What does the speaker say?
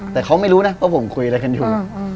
แต่เขาไม่รู้นะว่าผมคุยอะไรกันอยู่